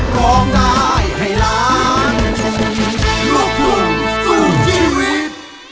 ยังห่วงเสมอระวังนะเธอผู้ชายโง่เสน